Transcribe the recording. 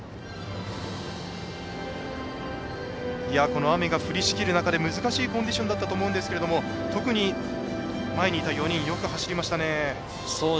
この雨が降りしきる中で難しいコンディションだったと思うんですが特に前にいた４人よく走りましたね。